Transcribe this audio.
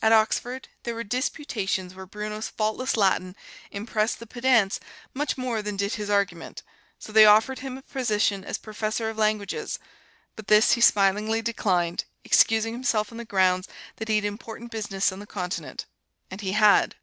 At Oxford there were disputations where Bruno's faultless Latin impressed the pedants much more than did his argument, so they offered him a position as Professor of Languages, but this he smilingly declined, excusing himself on the grounds that he had important business on the Continent: and he had.